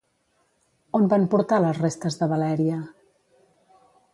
On van portar les restes de Valèria?